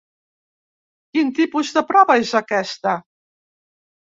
Quin tipus de prova és aquesta?